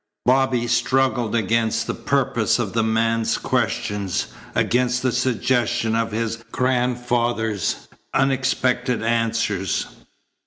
Bobby struggled against the purpose of the man's questions, against the suggestion of his grandfather's unexpected answers.